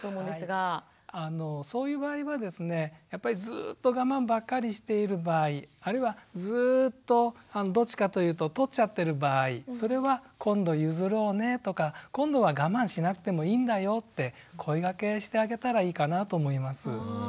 そういう場合はですねやっぱりずっと我慢ばっかりしている場合あるいはずっとどっちかというと取っちゃってる場合それは「今度譲ろうね」とか「今度は我慢しなくてもいいんだよ」って声掛けしてあげたらいいかなと思います。